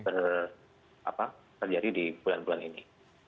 oke jadi sebetulnya memang ini masih dalam tahapan belum masuk ke puncak pandemi ini